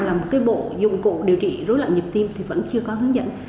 làm cái bộ dụng cụ điều trị rối loạn nhịp tim thì vẫn chưa có hướng dẫn